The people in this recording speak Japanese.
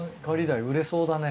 売れそうだね。